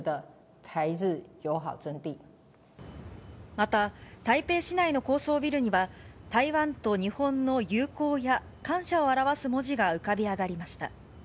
また、台北市内の高層ビルには、台湾と日本の友好や感謝を表す文字が浮かび上がりました。